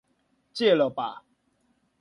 戒了吧